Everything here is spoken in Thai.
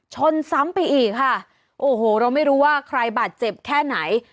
ชนซ้ำไปอีกค่ะโอ้โหเราไม่รู้ว่าใครบาดเจ็บแค่ไหน